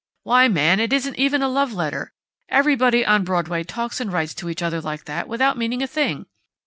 Why, man, it isn't even a love letter! Everybody on Broadway talks and writes to each other like that, without meaning a thing!...